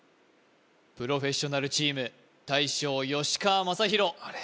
プロフェッショナルチーム大将吉川正洋あれ？